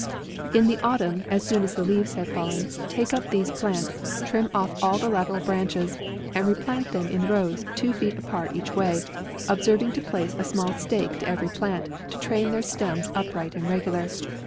In the autumn, as soon as the leaves have fallen, take up these plants : trim offall the la teral branches, and replant them in rows two feet apart each way, observing to place a small stake to every plant, to train their stems upright and regular.